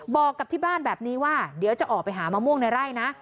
บอกกับที่บ้านแบบนี้ว่าเดี๋ยวจะออกไปหามะม่วงในไร่นะ